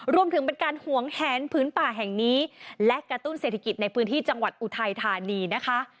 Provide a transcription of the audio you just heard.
รวมถึงเป็นการหวงแหนพื้นป่าแห่งนี้และกระตุ้นเศรษฐกิจในพื้นที่จังหวัดอุทัยธานีนะคะ